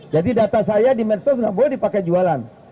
jadi data saya di medsos nggak boleh dipakai jualan